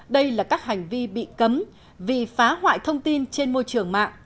đây là các hành vi bị cấm vì phá hoại thông tin trên môi trường mạng